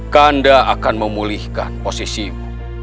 kanda akan memulihkan posisimu